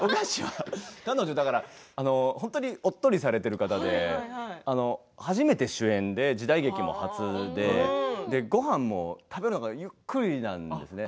彼女は、おっとりされている方で初めて主演で時代劇も初でごはんも食べるのがゆっくりなんですね。